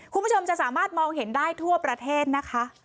คุณผู้ชมจะสามารถมองเห็นได้ทั่วประเทศนะคะ